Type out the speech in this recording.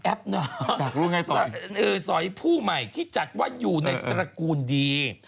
สอยผู้ใหม่ที่จัดว่าอยู่ในตระกูลดี